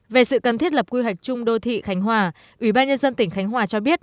về sự cần thiết lập quy hoạch chung đô thị khánh hòa ủy ban nhân dân tỉnh khánh hòa cho biết